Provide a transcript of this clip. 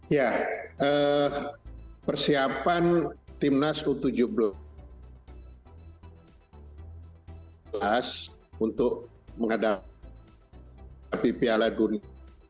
ya persiapan timnas u tujuh belas untuk menghadapi piala dunia